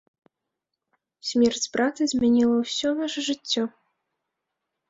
Смерць брата змяніла ўсё наша жыццё.